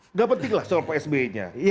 nggak penting lah soal psb nya